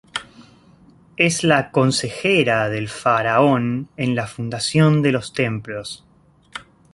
Es la "consejera" del faraón en la fundación de los templos.